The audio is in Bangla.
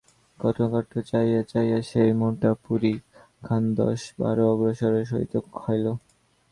কথকঠাকুর চাহিয়া চাহিয়া সেই মোটা পুরী খান দশ-বারো আগ্রহের সহিত খাইল।